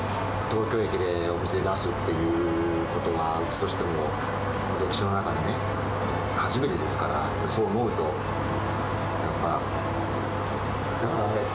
東京駅でお店出すってことは、うちとしても、歴史の中でね、初めてですから、そう思うと、やっぱ。